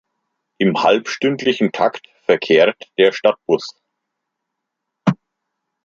Im halbstündlichen Takt verkehrt der Stadtbus.